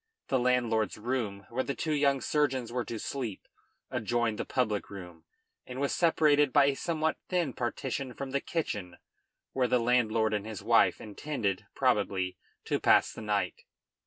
The landlord's room, where the two young surgeons were to sleep, adjoined the public room, and was separated by a somewhat thin partition from the kitchen, where the landlord and his wife intended, probably, to pass the night.